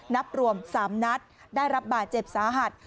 นับรวม๓นัดได้รับบาดเจ็บสาหัส